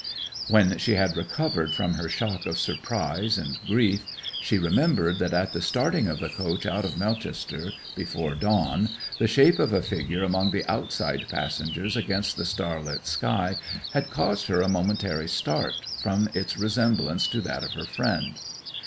'When she had recovered from her shock of surprise and grief, she remembered that at the starting of the coach out of Melchester before dawn, the shape of a figure among the outside passengers against the starlit sky had caused her a momentary start, from its resemblance to that of her friend.